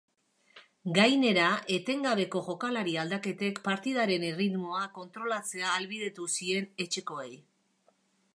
Gainera, etengabeko jokalari aldaketek partidaren erritmoa kontrolatzea ahalbidetu zien etxekoei.